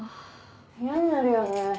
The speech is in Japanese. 嫌になるよね。